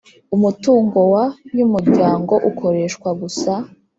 Umutungo wa y Umuryango ukoreshwa gusa